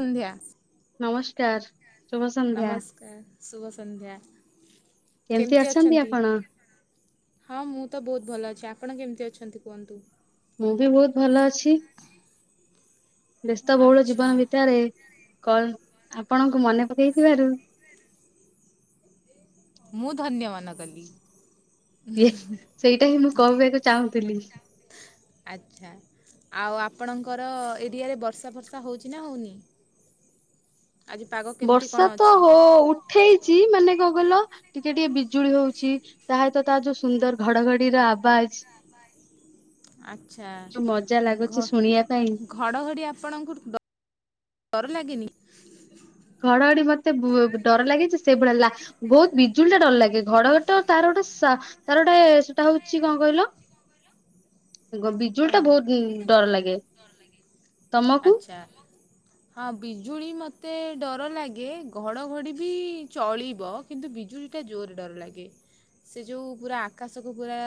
ସନ୍ଧ୍ୟା। ନମସ୍କାର। ଶୁଭ ସନ୍ଧ୍ୟା ନମସ୍କାର ଶୁଭ ସନ୍ଧ୍ୟା କେମିତି କେମତି ଅଛନ୍ତି? ଆପଣ? ହଁ ମୁଁ ତ ବହୁତ ଭଲ ଅଛି ଆପଣ କେମିତି ଅଛନ୍ତି କୁହନ୍ତୁ? ମୁଁ ବି ବହୁତ ଭଲ ଅଛି ବ୍ୟସ୍ତ ବହୁଳ ଆଚ୍ଛା ଜୀବନ ଭିତରେ କଣ ଆପଣଙ୍କୁ ମନେ ପକେଇଥିବାରୁ ମୁଁ ଧନ୍ୟମନ କଲି। ଇଏ ସେଇଟା ହିଁ ମୁଁ କହିବାକୁ ଚାହୁଁଥିଲି। ଆଚ୍ଛା ଆଉ ଆପଣଙ୍କର ଏରିଆରେ ବର୍ଷା ଫର୍ଷା ହେଉଛି ନା ହଉନି? ବର୍ଷା କଣ ତ ଅଛି? ହଉ ଉଠେଇଛି ମାନେ କଣ କହିଲ ଟିକେ ଟିକେ ବିଜୁଳି ହଉଛି ତା ହଇତ ତା ଯୁ ସୁନ୍ଦର ଘଡ଼ଘଡ଼ି ର ଆବାଜ୍। ଆଚ୍ଛା ଯୁ ମଜା ଘ ଲାଗୁଛି ଶୁଣିବା ପାଇଁ। ଘଡ଼ଘଡ଼ି ଆପଣଙ୍କୁ ଡ ଡର ଲାଗେନି। ଘଡ଼ଘଡ଼ି ମତେ ବ ଡର ଲାଗେ ସେଇଭଳିଆ ଲା ବହୁତ ବିଜୁଳି ଟା ଡର ଲାଗେ ଘଡଘଡ଼ି ତାର ଗୋଟେ ସା ତାର ଗୋଟେ ସେଟା ହଉଛି କଣ କହିଲ? ଗ ବିଜୁଳି କଣ? ଟା ବହୁତ ଡର ଲାଗେ। ତମକୁ? ଆଚ୍ଛା। ହଁ ବିଜୁଳି ମୋତେ ଡର ଲାଗେ ଘଡ଼ଘଡ଼ି ବି ଚଳିବ। କିନ୍ତୁ ବିଜୁଳିଟା ଜୋରେ ଡର ଲାଗେ। ସେ ଯୋଉ ପୁରା ଆକାଶକୁ ପୁରା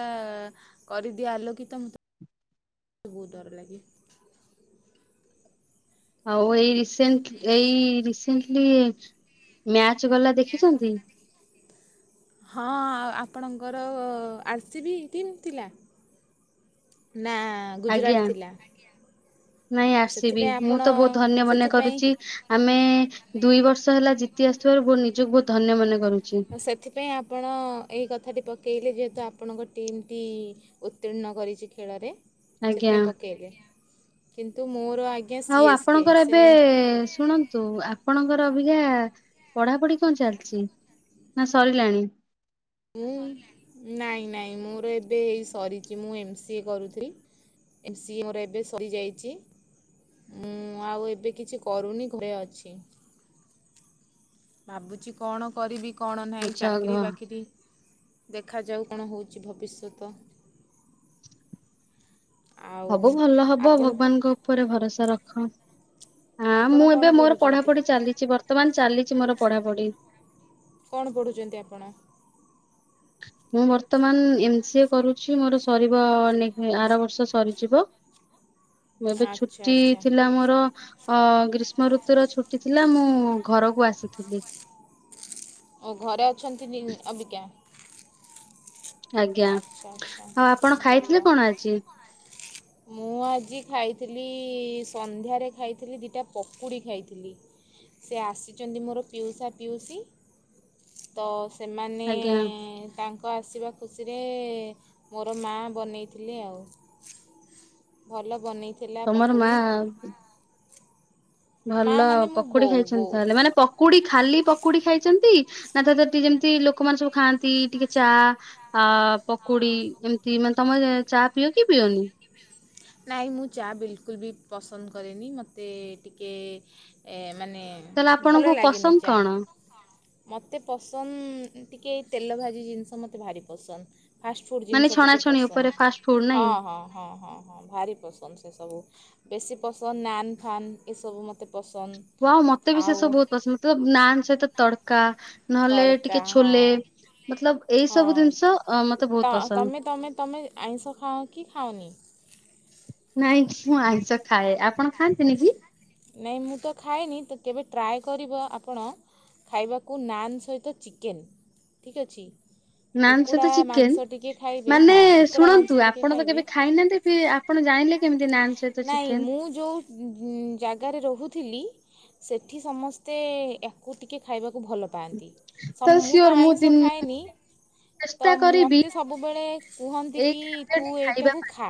କରିଦିଏ ଆଲୋକିତ ମତେ ବହୁତ ଡର ଲାଗେ। ଆଉ ଏଇ ରିସେଣ୍ଟ ଏଇ ରିସେଣ୍ଟଲି ମ୍ୟାଚ୍ ଗଲା ଦେଖିଚନ୍ତି? ହଁ ଆପଣଙ୍କର ଆର୍ସିଭି ଟିମ୍ ଥିଲା? ନା। ଆଜ୍ଞା ଗୁଜୁରାଟ ଥିଲା। ନାଇଁ ଆର ସି ବି ସେଥିପାଇଁ ମୁଁ ଆପଣ ତ ବହୁତ ଧନ୍ୟ ମନେ ସେଥିପାଇଁ କରୁଛି ଆମେ ଦୁଇ ବର୍ଷ ହେଲା ଜିତି ଆସୁଥିବାରୁ ବହୁ ନିଜକୁ ବହୁତ ଧନ୍ୟ ମନେ କରୁ। ତ ସେଥିପାଇଁ ଆପଣ ଏଇ କଥାଟି ପକେଇଲେ ଯେହେତୁ ଆପଣଙ୍କ ଟିମ୍ ଟି ଉତ୍ତୀର୍ଣ୍ଣ କରିଚି ଖେଳରେ ଆଜ୍ଞା। ସେଥିପାଇଁ ପକେଇଲେ। କିନ୍ତୁ ମୋର ଆ ଆଉ ଆପଣଙ୍କର ଏବେ ଶୁଣ ନ୍ତୁ। ଆପଣଙ୍କର ଅବିକା ପଢାପଢି କଣ ଚାଲିଚି ନା ସରିଲାଣି? ମୁଁ ନାଇଁ ନାଇଁ ମୋର ଏବେ ସରିଚି। ମୁଁ ଏମ ସି ଏ କରୁଥିଲି। ଏମ ସି ଏ ମୋର ଏବେ ସରିଯାଇଚି। ମୁଁ ଆଉ ଏବେ କିଛି କରୁନି ଘରେ ଅଛି। ଭାବୁଚି କଣ କରିବି କଣ ନାହିଁ ଆଚ୍ଛା ଚାକିର ଘ- ବାକିରି। ଦେଖାଯାଉ କଣ ହଉଚି ଭବିଷ୍ୟତ। ଆଉ ସବୁ ଭଲ ହବ ଆପଣ ତ ଭଗବାନଙ୍କ ଉପରେ ଭରଷା ରଖ। ହଁ ଆପଣ ମୁଁ କଣ ଏବେ ମୋର ପଢ଼ୁଛନ୍ତି? ପଢାପଢି ଚାଲିଚି। ବର୍ତ୍ତମାନ ଚାଲିଚି ମୋର ପଢାପଢି। କଣ ପଢ଼ୁଚନ୍ତି ଆପଣ? ମୁଁ ବର୍ତ୍ତମାନ ଏମ ସି ଏ କରୁଚି। ମୋର ସରିବ ଆରବର୍ଷ ସରିଯିବ। ମୁଁ ଏବେ ଆଚ୍ଛା ଛୁଟି ଆଚ୍ଛା ଥିଲା ମୋର। ଅ ଗ୍ରୀଷ୍ମ ଋତୁର ଛୁଟି ଥିଲା ମୁଁ ଘରକୁ ଆସିଥିଲି। ଓ ଘରେ ଅଛନ୍ତି ଅବିକା। ଆଜ୍ଞା। ଆଚ୍ଛା ଆଚ୍ଛା ଆଉ ଆପଣ ଖାଇଥିଲେ ଭଲ। କଣ ଆଜି? ମୁଁ ଆଜି ଖାଇଥିଲି ସନ୍ଧ୍ୟାରେ ଖାଇଥିଲି ଦିଟା ପକୁଡ଼ି ଖାଇଥିଲି। ସେ ଆସିଚନ୍ତି ମୋର ପିଉସା, ପିଉସି। ତ ସେମାନେ ଆଜ୍ଞା ତାଙ୍କ ଆସିବା ଖୁସିରେ ମୋର ମା ବନେଇଥିଲେ ଆଉ। ଭଲ ବନେଇଥିଲା ତମର ମା ପକୁଡ଼ି। ମା ଭଲ ମାନେ ମୋ ପକୁଡି ବୋଉ ଖାଇଚନ୍ତି ବୋଉ ତାହେଲେ ମାନେ ପକ କୁଡି ଖାଲି ପକୁଡି ଖାଇଚନ୍ତି ନା ତା ଧିଅରେ ଟିକେ ଯେମିତି ଲୋକମାନେ ସବୁ ଖାଆନ୍ତି ଟିକେ ଚା ଆ ପକୁଡି ଏମିତି ମାନେ ତମେ ଚା ପିଅ କି ପିଅନି? ନାଇଁ ମୁଁ ଚା ବିଲକୁଲ୍ ବି ପସନ୍ଦ କରେନି। ମୋତେ ଟିକେ ଏ ମାନେ ତାହେଲେ ଆପଣଙ୍କୁ ଭଲ ଲାଗେନି ପସନ୍ଦ ଚା। କଣ? ମୋତେ ପସନ୍ଦ ଟିକେ ତେଲ ଭାଜି ଜିନିଷ ମତେ ଭାରି ପସନ୍ଦ। ଫାଷ୍ଟ ଫୁଡ଼୍ ମାନେ ଜିନିଷ ଟିକେ ଛଣାଛଣି ପସନ୍ଦ। ଉପରେ ଫାଷ୍ଟ ଫୁଡ ହଁ ନାଇଁ? ହଁ ହଁ ହଁ ହଁ ଭାରି ପସନ୍ଦ ସେ ସବୁ ବେଶୀ ପସନ୍ଦ ନାନ ଫାନ୍ ଏସବୁ ମତେ ପସନ୍ଦ। ହ ମତେ ବି ସେ ଆଉ ସବୁ ବହୁତ ପସନ୍ଦ। ମ ନାନ୍ ସହିତ ତଡକା ନହେଲେ ତଡ଼କା ଟିକେ ଛୋଲେ। ହଁ ମତଲବ ଏଇ ସବୁ ହଁ ଜିନିଷ ମତେ ତ ବହୁତ ପସନ୍ଦ। ତମେ ତମେ ତମେ ଆଇଁଷ ଖାାଅ କି ଖାଅନି? ନାଇଁ କି ମୁଁ ଆଇିଷ ଖାଏ ଆପଣ ଖାଆନ୍ତିନି କି? ନାଇଁ ମୁଁ ତ ଖାଏନି। ତ କେବେ ଟ୍ରାଏ କରିବ ଆପଣ ଖାଇବାକୁ ନାନ୍ ସହିତ ଚିକେନ୍ ଠିକ୍ ଅଛି। ନାନ କୁକୁଡ଼ା ସହିତ ମାଂସ ଚିକେନ ଟିକେ ଖାଇବେ ମାନେ ହଁ କୁକୁଡ଼ା ମାଂସ ଶୁଣନ୍ତୁ ଟିକେ ଆପଣ ତ ଖାଇବେ କେବେ ଖାଇନାହାନ୍ତି ବି ଆପ୍ ଆପଣ ଜାଣିଲେ କେମତି ନାନ୍ ସହିତ ନାହିଁ ଚିକେନ? ମୁଁ ଯୋଉଁ ଜାଗାରେ ରହୁଥିଲି ସେଠି ସମସ୍ତେ ୟାକୁ ଟିକେ ଖାଇବାକୁ ଭଲ ପାଆନ୍ତି ସମ ମୁଁ ତ ଆଇଁଷ ଖାଏନି। ତ ଚେଷ୍ଟା କରିବି ମୋତେ ସବୁବେଳେ କୁହନ୍ତି ଏଇ କି ତୁ ଖାଦ୍ୟଟି ଖାଇବା ଏଇଟାକୁ ଖା।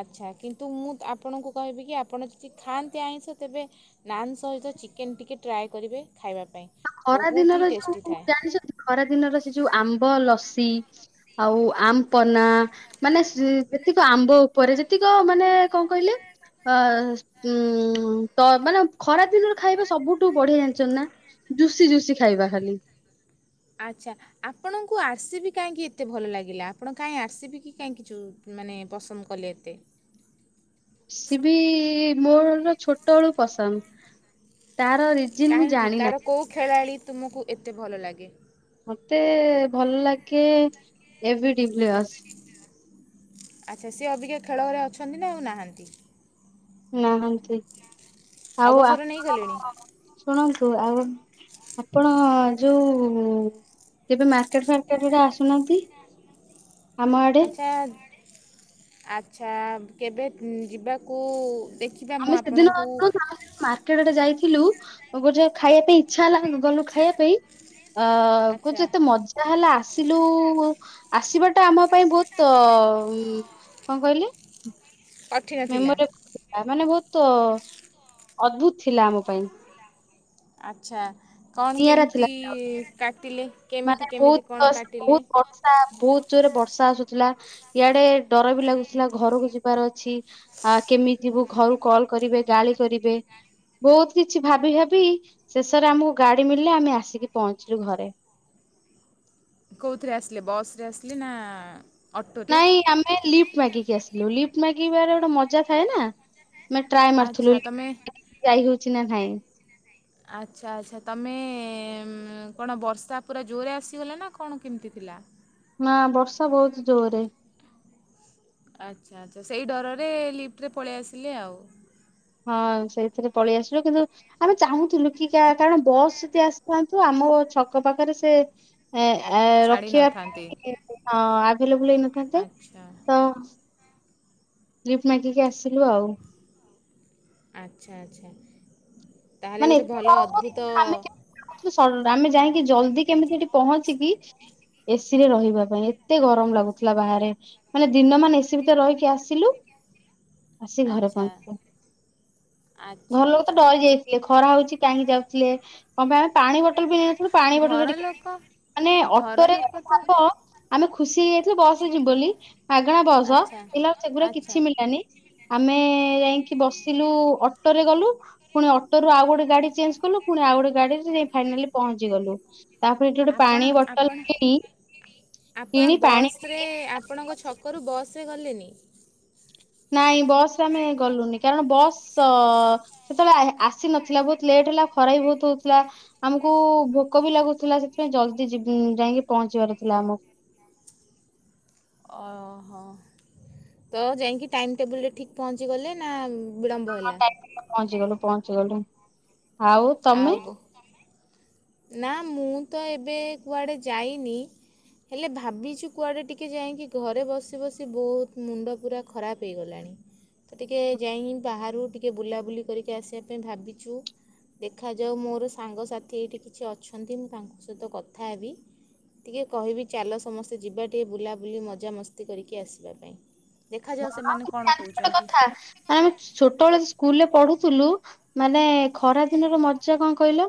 ଆଚ୍ଛା କିନ୍ତୁ ମୁଁ ଆପଣଙ୍କୁ କହିବି କି ଆପଣ ଯଦି ଖାଆନ୍ତି ଆଇଁଷ ତେବେ ନାନ୍ ସହିତ ଚିକେନ୍ ଟିକିଏ ଟ୍ରାଏ କରିବେ ଖାଇବା ପାଇଁ। ଆଉ ଖରା ବହୁତ ହି ଦିନର ଟେଷ୍ଟି ଯୋଉ ଥାଏ ଜାଣିଛନ୍ତି। ଖରା ଦିନର ସେ ଯୋଉ ଆମ୍ବ ଲସି ଆଉ ଆମ୍ ପନା ମାନେ ଯେତିକ ଆମ୍ବ ଉପରେ ଯେ ଯେତିକ ମାନେ କଣ କହିଲେ ଅ ଉ ତ ମାନେ ଖରା ଦିନରେ ଖାଇବା ସବୁଠୁ ବଢିଆ ଜାଣିଛ ନାଁ ଜୁସି ଜୁସି ଖାଇବା ଖାଲି। ଆଚ୍ଛା ଆପଣଙ୍କୁ ଆର୍ସିବି କାହିଁକି ଏତେ ଭଲ ଲାଗିଲା ଆପଣ କାହିଁକି ଆସିବି କି କାହିଁକି ଚୁ ମାନେ ପସନ୍ଦ କଲେ ଏତେ। ସି ବି ମୋର ଛୋଟବେଳୁ ପସନ୍ଦ। ତାର ରିଜିନ ମୁଁ କାହିଁକି ତାର ଜାଣିନାହିଁ କୋଉ ଖେଳାଳି ତୁମକୁ ଏତେ ଭଲ ଲାଗେ? ମତେ ଭଲ ଲାଗେ ଏବିଡିବି ୱାସ। ଆଚ୍ଛା ସିଏ ଅବିକ ଖେଳ ଘରେ ଅଛନ୍ତି ନାଁ ଆଉ ନାହାନ୍ତି? ନାହାନ୍ତି ଆଉ ଅବସର ଆପଣ ନେଇଗଲେଣି ଶୁଣନ୍ତୁ ଆଉ ଆପଣ ଯୋଉ କେବେ ମାର୍କେଟ ଫାର୍କେଟ ଆଡେ ଆସୁନାହାନ୍ତି। ଆମ ଆଡେ ଆଚ୍ଛା ଆଚ୍ଛା କେବେ ଯିବାକୁ ଦେଖି କିମ୍ବା ମୁଁ ଆପଣଙ୍କୁ ମାର୍କେଟରେ ଯାଇଥିଲୁ ଗୋଟେ ଖାଇବା ପାଇଁ ଇଚ୍ଛା ହେଲା ଗଲୁ ଖାଇବା ପାଇଁ। ଅ ଆଚ୍ଛା କହୁଛୁ ଏତେ ମଜା ତାହେଲେ ଆସିଲୁ ଆସିବାଟା ଆମ ପାଇଁ ବହୁତ କଣ କହିଲେ? କଠିନ ଥିଲା ମେମୋରି ମାନେ ବହୁତ୍ ଅଦ୍ଭୁତ ଥିଲା ଆମ ପାଇଁ। ଆଚ୍ଛା କଣ ନିଆରା କେମିତି ଥିଲା। କାଟିଲେ କେମିତି କେମିତି କଣ କାଟିଲେ? ହା ବହୁତ୍ ଜୋରରେ ବର୍ଷା ଆସୁଥିଲା ଇଆଡେ ଡର ବି ଲାଗୁଥିଲା ଘରକୁ ଯିବାର ର ଅଛି। ଆ କେମିତି ଯିବୁ ଘରୁ କଲ୍ କରିବେ ଗାଳି କରିବେ। ବହୁତ୍ କିଛି ଭାବି ଭାବି ଶେଷରେ ଆମକୁ ଗାଡି ମିଳିଲା ଆମେ ଆସିକି ପହଞ୍ଚିଲୁ ଘରେ। କଉଥିରେ ଆସିଲେ ବସ୍ ରେ ଆସିଲି ନାଁ ନାଇଁ ଆମେ ଲିଫ୍ଟ୍ ମାଗିକି ଆସିଲୁ ଲିପ୍ଟ୍ ମାଗିବାରେ ଗୋଟେ ମଜା ଥାଏ ନାଁ। ଆମେ ଟ୍ରାଏ ଆଚ୍ଛା ମାରୁଥିଲୁ ତମେ ଲିପ୍ଟ୍ ଯାଇ ହଉଚି ନାଁ ନାଇଁ। ଆଚ୍ଛା ଆଚ୍ଛା ତମେ କଣ ବର୍ଷା ପୁରା ଜୋରରେ ଆସିଗଲା ନାଁ କଣ କେମିତି ଥିଲା? ନାଁ ବର୍ଷା ବହୁତ୍ ଜୋରେ। ଆଚ୍ଛା ଆଚ୍ଛା ସେଇ ଡରରେ ଲିଫ୍ଟ୍ ରେ ପଳେଇ ଆସିଲେ ଆଉ। ହଁ ସେଇଥିରେ ପଳେଇ ଆସିଲୁ କିନ୍ତୁ ଆମେ ଚାହୁଁଥିଲୁ କି କା କାରଣ ବସ୍ ଯ ଆସିଥାନ୍ତୁ ଆମ ଛକ ପାଖରେ ସେ ଏ ଆ ଛାଡ଼ି ନଥାନ୍ତେ ରଖିବାକୁ ହଁ ଆଭେ ଲେବୁଲ୍ ହେଇନଥାନ୍ତେ। ଆଚ୍ଛା ତ ଲିପ୍ଟ୍ ମାଗିକି ଆସିଲୁ ଆଉ। ଆଚ୍ଛା ଆଚ୍ଛା ତାହେଲେ ଗୋଟେ ଭଲ ଅଦ୍ଭୁତ ଅ ମାତ୍ର ସଡ ଆମେ ଯାଇକି ଜଲ୍ଦି କେମିତି ହେଠି ପହଞ୍ଚିକି ଏସି ରେ ରହିବା ପାଇଁ ଏତେ ଗରମ ଲାଗୁଥିଲା ବାହାରେ। ମାନେ ଦିନ ମାନେ ଏସି ଭିତରେ ରହିକି ଆସିଲୁ। ଆସି ଘରେ ଆଚ୍ଛା ପହଞ୍ଚିଲେ, ଆଚ୍ଛା ଘର ଲୋକ ତ ଆଚ୍ଛା ଡରି ଯାଇ ଖରା ହଉଚି କାହିଁକି ଯାଉଥିଲେ, କଣ ପାଇଁ ଆମେ ପାଣି ବୋଟଲ ବି ନେଇନଥିଲୁ। ପାଣି ବଟଲ୍ ଘର ସେଠି କି ଲୋକ ମାନେ ଘର ଅଟୋରେ ଲୋକ ଗଲୁ ତ ଭାବ ଆମେ ଖୁସି ହେଇଯାଇଥିଲୁ ବସ୍ ରେ ଯିବୁ ବୋଲି। ମାଗେଣା ବସ ଆଚ୍ଛା ଦେଖିଲା ବେକୁ ସେଗୁରା ଆଚ୍ଛା କିଛି ମିଳିଲାନି। ଆମେ ଯାଇଁକି ବସିଲୁ ଅଟୋରେ ଗଲୁ। ଫୁଣି ଅଟ୍ ଅଟୋରୁ ଆଉ ଗୋଟେ ଗାଡି ଛେଞ୍ଚ୍ କଲୁ, ଫୁଣି ଆଉ ଗୋଟେ ଗାଡ଼ିରେ ଯାଇ ଫାଇନାଲି ପହଞ୍ଚି ଗଲୁ। ତାପରେ ଏଠି ଗୋଟେ ଆପଣ ପାଣି ବଟଲ୍ ଆପଣ କିଣି ଆପଣ କିଣି ପାଣି ବସ୍ ରେ ପିଇ ଆପଣଙ୍କ ଛକରୁ ବସ୍ ରେ ଗଲେନି? ନାଇଁ ବସ୍ ରେ ଆମେ ଗଲୁନି କାରଣ ବସ୍ ଅ ସେତେବେଳେ ଆ ଆସି ନଥିଲା ବହୁତ୍ ଲେଟ୍ ହେଲା ଖରା ବି ବହୁତ୍ ହଉଥିଲା। ଆମକୁ ଭୋକ ବି ଲାଗୁଥିଲା ସେଥିପାଇଁ ଜଲ୍ଦି ଯିବୁ ଯାଇଁକି ପହଞ୍ଚିବାର ଥିଲା ଆମକୁ। ଓହୋ। ତ ଯାଇଁକି ଟାଇମ୍ ଟେବୁଲ୍ରେ ଠିକ୍ ପହଞ୍ଚିଗଲେ ନା? ବିଳମ୍ବ ହଁ ହେଲା ଟାଇମ୍ ରେ ପହଞ୍ଚିଗଲୁ ପହଞ୍ଚିଗଲୁ। ଆଉ? ତମେ ଆଉ? ନା ମୁଁ ତ ଏବେ କୁଆଡେ ଯାଇନି। ହେଲେ ଭାବିଚି କୁଆଡ଼େ ଟିକେ ଯାଇଁକି ଘରେ ବସି ବସି ବହୁତ୍ ମୁଣ୍ଡ ପୁରା ଖରାପ୍ ହେଇଗଲାଣି। ତ ଟିକେ ଯାଇଁକି ବାହାରୁ ଟିକିେ ବୁଲାବୁଲି କରିକି ଆସିଆ ପାଇଁ ଭାବିଚି। ଦେଖାଯାଉ ମୋର ସାଙ୍ଗସାଥି ଏଠି କିଛି ଅଛନ୍ତି, ମୁଁ ତାଙ୍କ ସହିତ କଥା ହେବି। ଟିକେ କହିବି ଚାଲ ସମସ୍ତେ ଯିବା ଟିକେ ବୁଲାବୁଲି ମଜାମସ୍ତି କରିକି ଆସିବା ପାଇଁ। ଦେଖାଯାଉ ଭଲ? ସେମାନେ କଣ ଜାଣିଛ ଗୋଟେ କଉଚନ୍ତି। କଥା ଆମେ ଛୋଟ ବେଳେ ସ୍କୁଲ୍ ରେ ପଢୁଥିଲୁ। ମାନେ ଖରା ଦିନର ମଜା କଁ କହିଲ?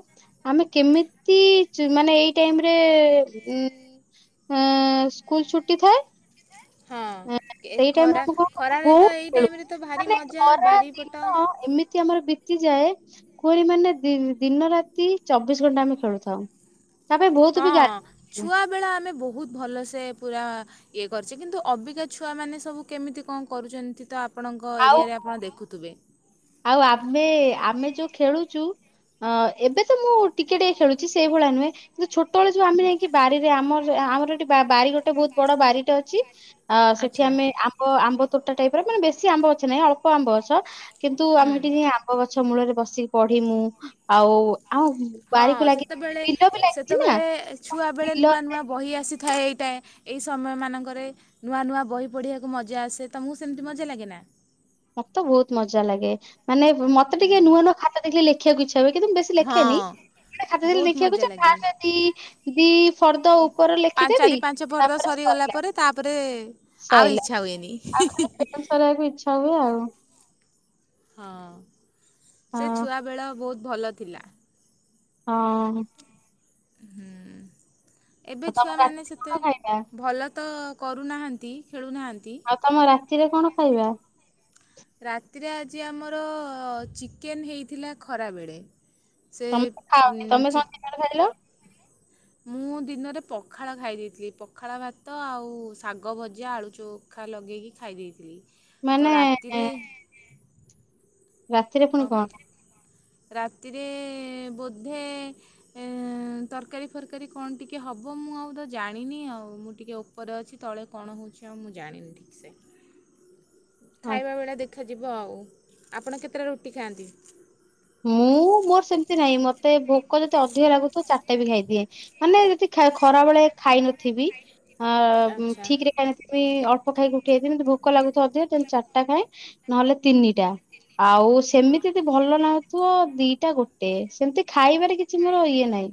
ଆମେ କେମିତି ମାନେ ଏଇ ଟାଇମିରେ ଯିବୁ। ହେଁ ସ୍କୁଲ୍ ଛୁଟି ଥାଏ। ହଁ ଏ ସେଇ ଟାଇମିରେ ଖରା ଆମକୁ ଖରାରେ ତ ବହୁତ୍ ଏଇ ଖେଳୁ, ଟାଇମରେ ତ ଭାରି ମାନେ ମଜା ଖରା ବାରିପଟ ଦିନ ଏମିତ୍ ମିତି ଆମର ବିତିଯାଏ। କୁହନି ମାନେ ଦି ଦିନ ରାତି ଚବିଶ୍ ଘଣ୍ଟା ଆମେ ଖେଳୁଥାଉ। ତା ପାଇଁ ବହୁତ ବି ଗାଳି ହଁ। ଖାଉ। ଛୁଆବେଳେ ଆମେ ବହୁତ୍ ଭଲସେ ପୁରା ଇଏ କରିଚି କିନ୍ତୁ ଅବିକା ଛୁଆ ମାନେ ସବୁ କେମିତି କଣ କରୁଚନ୍ତି ତ ଆପ୍ ଆପଣଙ୍କ ଏରିଆରେ ଆଉ ଆପଣ ଦେଖୁଥିବେ। ଆଉ ଆମେ ଆମେ ଯୋଉ ଖେଳୁଚୁ। ହଁ, ଏବେ ତ ମୁଁ ଟିକେ ଟିକେ ଖେଳୁଚି ସେଇଭଳିଆ ନୁହେଁ। କିନ୍ତୁ ଛୋଟବେଳେ ଯୋଉ ଆମେ ଯାଇକି ବାରିରେ ଆମ ଆମର ଏଠି ବାରି ଗୋ ଗୋଟେ ବହୁତ୍ ବଡ ବାରିଟେ ଅଛି ଅ ସେଠି ଆଚ୍ଛା ଆମେ ଆବ୍ ଅ ଆମ୍ବ ତୋଟା ଟାଇପି ର ମାନେ ବେଶୀ ଆମ୍ବ ଗଛନାଇଁ, ଅଳ୍ପ ଆମ୍ବ ଅଛ କିନ୍ତୁ ହୁଁ ଆମେ ସେଠି ଆବ୍ ଆମ୍ବ ଗଛ ମୂଳରେ ବସିକି ପଢିମୁ। ଆଉ ଆମ ହଁ, ବାରିକୁ ଲାଗି ସେତେବେଳେ ବିଲ ବି ଲାଗିଛି ନା ସେତେବେଳେ ଛୁଆ ବେଳେ ନୂଆ ବିଲରେ ନୂଆ ବହି ଆସିଥାଏ ଏଇଟାଏ ଏଇ ସମୟ ମାନଙ୍କରେ। ନୂଆ ନୂଆ ବହି ପଢ଼ିଆକୁ ମଜା ଆସେ, ତମକୁ ସେମିତି ମଜା ଲାଗେନା? ମତେ ବହୁତ ମଜା ଲାଗେ ମାନେ ମତେ ହୁଁ। ଟିକେ ନୂଆ ନୂଆ ଖାତା ଦେଖିଲେ ଲେଖିଆକୁ ଇଚ୍ଛା ହୁଏ, କିନ୍ତୁ ମୁଁ ବେଶୀ ହଁ ଲେଖେନି। ଖାତା ଧରି ବହୁତ ଦେଖିଆକୁ ମଜା ଯେ ଲାଗେ ଫାଷ୍ଟେ ଦି ଦି ଫର୍ଦ୍ଦ ଉପରେ ପାଞ୍ଚ ଲେଖିଦେବି। ଚାରି ପାଞ୍ଚ ଫର୍ଦ୍ଧ ତାପରେ ସରିଗଲା ସଇଲା ପରେ ତାପରେ ଆଉ ଇଚ୍ଛା ହୁଏନି। ରାଗିଚି। ହଉ ହୁଏ ଆଉ। ହଁ ସେ ହଁ ଛୁଆବେେଳ ବହୁତ ଭଲ ଥିଲା। ହଁ। ହୁଁ ଏବେ ଆଉ ତମ ରାତିରେ ଛୁଆମାନେ ସେତେ କଣ ଖାଇବା ଭଲ ତ କରୁନାହାନ୍ତି ଖେଳୁନାହାନ୍ ଆଉ ତମ ରାତିରେ କଣ ଖାଇବା? ରାତିରେ ଆଜି ଆମର ଚିକେନ ହେଇଥିଲା ଖରାବେଳେ। ତମେ ତ ସେପ ଖାଅନି ତମେ ଚିକ କଣ ଟେ ଖାଇଥିଲ? ମୁଁ ଦିନରେ ପଖାଳ ଖାଇ ଦେଇଥିଲି। ପଖାଳ ଭାତ ଆଉ ଶାଗ ଭଜା ଆଳୁ ଚୋ ଖା ଲଗେଇକି ଖାଇ ଦେଇଥିଲି। ମାନେ ତ ରାତିରେ ରାତିରେ ଫୁଣି କଣ? ରାତିରେ ବୋଧେ ଏ ତରକାରୀ ଫରକାରୀ କଣ ଟିକେ ହବ। ମୁଁ ଆଉ ତ ଜାଣିନି ଆଉ ମୁଁ ଟିକେ ଓପ ଉପରେ ଅଛି ତଳେ କଣ ହୋଉଛି ଆଉ ମୁଁ ଜାଣିନି ଠିକ୍ ସେ। ହ [unintelligible] ଖାଇବା ବେଳେ ଦେଖାଯିବ ଆଉ। ଆପଣ କେତେଟା ରୁଟି ଖାଆନ୍ତି? ମୁଁ ମୋର ସେମତି ନାଇଁ ମତେ ଭୋକ ଯଦିଅଧିକ ଲାଗୁଥିବ ଚାରଟାବି ଖାଇଦିଏ। ମାନେ ଯଦି ଖା ଖରାବେଳେ ଖାଇ ନଥିବି। ଆ ଆଚ୍ଛା ଠିକ୍ରେ ଖାଇ ନଥିବ ବି ଅଳ୍ପ ଖାଇକି ଉଠିଯାଇ ଥିବି ଭୋକ ଲାଗୁଥିବ ଅଧିକ ଦେନ ଚାରଟା ଖାଏ ନହେଲେ ତିନିଟା। ଆଉ ସେମିତିବି ଭଲ ନାହୁ ଥୁଅ ଦିଟା ଗୋଟେ ସେମ ତି ଖାଇବାରେ କିଛି ମୋର ଇଏ ନାହିଁ।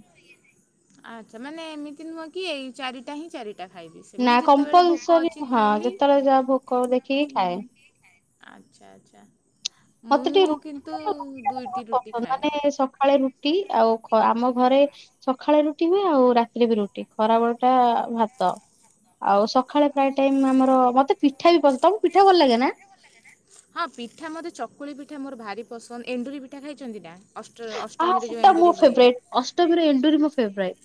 ଆଚ୍ଛା ମାନେ ଏମିତି ନୁହଁ କି ଏଇ ଚାରିଟା ହିଁ ଚାରି ଟା ଖାଇବି। ନା ସେମିତି ଯେତେବେଳେ ଭୋକ କମ୍ପଲସରି ଅଛି ହଁ ଖାଇଲି। ଯେତେବେଳେ ଯାହା ଭୋକ ଦେଖିକି ଖାଏ। ଆଚ୍ଛା ଆଚ୍ଛା। ମତେ ଟିକେ ମୁଁ କିନ୍ତୁ ଦୁଇଟି ରୁଟି ଖାଏ। ଏ ସକାଳେ ରୁଟ ଟି ଆଉ ଖ ଆମ ଘରେ ସଖାଳେ ରୁଟି ହୁଏ, ଆଉ ରାତିରେ ବି ରୁଟି। ଖରାବେଳ ଟା ଭାତ। ଆଉ ସଖାଳେ ପ୍ରାୟେ ଟାଇମ ଆମର ମତେ ପିଠା ବି ପସ ତମକୁ ପିଠା ଭଲ ଲାଗେ ନା? ହଁ ପିଠା ମୋତେ ଚକୁଳି ପିଠା ମୋର ଭାରି ପସନ୍ଦ। ଏଣ୍ଡୁରି ପିଠା ଖାଇଚନ୍ତି ନା? ଅଷ୍ଟ ଆ ଅଷ୍ଟମୀରେ ଯୋଉ ସେଟା ମୋ ଏଣ୍ଡୁରି ହୁଏ। ଫେବରାଇଟ ଅଷ୍ଟମୀରେ ଏଣ୍ଡୁରି ମୋ ଫେବରାଇଟ।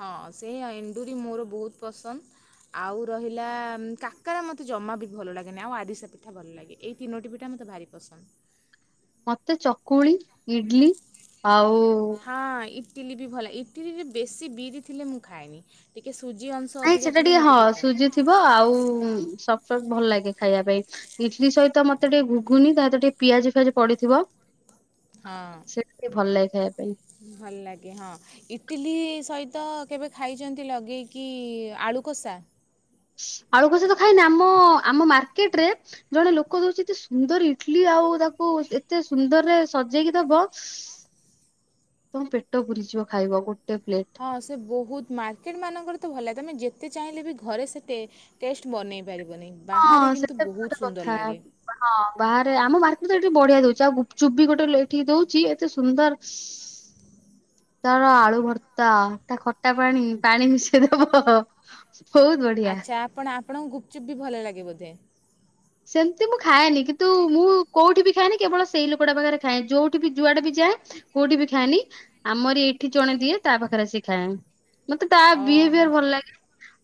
ହଁ ସେଇଆ ଏଣ୍ଡୁରି ମୋର ବହୁତ ପସନ୍ଦ। ଆଉ ରହିଲା କାକରା ମତେ ଜମା ବି ଭଲ ଲାଗେନି। ଆଉ ଆରିସା ପିଠା ଭଲ ଲାଗେ। ଏହି ତିନୋଟି ପିଟା ମତେ ଭାରି ପସନ୍ଦ। ମତେ ଚକୁଳି, ଇଡଲି ଆଉ ହଁ ଇଟିଲି ବି ଭଲ। ଇଟିଲିରେ ବେଶୀ ବିରି ଥିଲେ ମୁଁ ଖାଏନି। ଟିକେ ସୁଜି ଅଂଶ ନାଇଁ ଅଧିକା ସେଟା ଥିଲେ ମୁଁ ହଁ ଟିକେ ଖାଏ। ସୁଜି ଥିବ ଆଉ ସଫ୍ଟ ସଫ୍ଟ ଭଲ ଲାଗେ ଖାଇବା ପାଇଁ। ଇଟଲି ସଇତ ମତେ ଟିକେ ଗୁଗୁନି ତା ସଇତ ଟିକେ ପିଆଜ ଫିଆଜି ପଡିଥିବ। ହଁ ସେଇଠି ଟିକେ ଭଲ ଲାଗେ ଖାଇବା ପାଇଁ। ଭଲ ଲାଗେ ହଁ। ଇଟିଲି ସହିତ କେବେ ଖାଇଚନ୍ତି ଲଗେଇକି ଆଳୁକଷା? ଆଳୁ କସା ସାଇତ ଖାଇନା ଆମ ଆମ ମାର୍କେଟ ରେ- ଜଣେ ଲୋକ ଦୋଉଚି ଏତେ ସୁନ୍ଦର ଇଟଲି ଆଉ ତାକୁ ଏତେ ସୁନ୍ଦରରେ ସଜେଇକି ଦବ। ତମ ପେଟ ପୁରିଯିବ ଖାଇବ ଗୋଟେ ପ୍ଲେଟ। ହଁ ସେ ବହୁତ ମାର୍କେଟ ମାନଙ୍କରେ ତ ଭଲ ଲାଗେ। ତମେ ଯେତେ ଚାହିଁଲେ ବି ଘରେ ସେ ଟେ ଟେଷ୍ଟ ବନେଇ ପାରିବନି, ବାହାରେ ହଁ କିନ୍ତୁ ସେଟା ବି ଗୋଟେ ବହୁତ କଥା। ସୁନ୍ଦର ଲାଗେ। ହଁ ବାହାରେ ଆମ ମାର୍କେଟ ରେ ଏଠି ବଢିଆ ଦଉଛି। ଆଉ ଗୁପଚୁପ୍ ବି ଗୋଟେ ଏଇଠି ଦଉଛି ଏତେ ସୁନ୍ଦର ତାର ଆଳୁ ଭର୍ତ୍ତା, ତା ଖଟା ପାଣି ପାଣି ମିଶେଇଦବ ବହୁତ ବଢିଆ। ଆଚ୍ଛା, ଆପଣ ଆପଣଙ୍କୁ ଗୁପଚୁପ୍ ବି ଭଲ ଲାଗେ ବୋଧେ? ସେମିତି ମୁଁ ଖାଏନି କିନ୍ତୁ ମୁଁ କୋଉଠି ବି ଖାଏନି କେବଳ ସେଇ ଲୋକଟା ପାଖରେ ଖାଏ। ଯୋଉଠି ବି ଯୁଆଡେ ବି ଯାଏ କୋଉଠି ବି ଖାଏନି, ଆମର ଏଇଠି ଜଣେ ଦିଏ ତା ପାଖରେ ଆସି ଖାଏ। ମତେ ତା ଓହୋ ବିହେଭିୟର ଭଲ ଲାଗେ।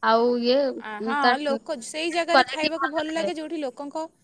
ଆଉ ଇଏ ଆ, ତା ହଁ ଲୋକ ସେଇ ଜାଗାରେ କ୍ୟାଲିଟ ଖାଇବାକୁ ଭଲ ଲାଗେ। ଯେଉଁଠି ଲୋକଙ୍କ